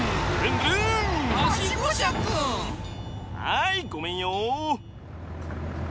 はいごめんよ。